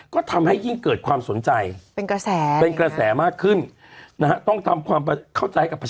ก็ทำให้ยิ่งเกิดความสนใจ